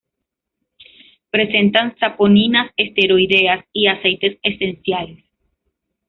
Presentan saponinas esteroideas y aceites esenciales.